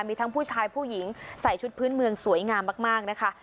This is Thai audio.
มีทั้งผู้ชายผู้หญิงใส่ชุดพื้นเมืองสวยงามมากนะคะ